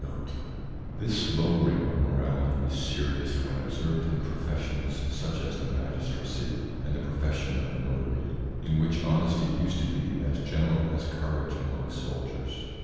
1 This lowering of morality is serious when observed in professions such as the magistracy and the profession of notary, in which honesty used to be as general as courage among soldiers.